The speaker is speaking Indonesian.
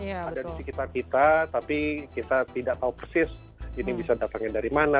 ada di sekitar kita tapi kita tidak tahu persis ini bisa datangnya dari mana